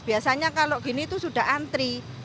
biasanya kalau gini itu sudah antri